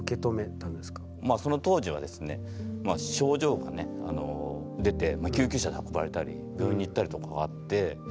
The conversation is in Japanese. その当時はですね症状が出て救急車で運ばれたり病院に行ったりとかがあって。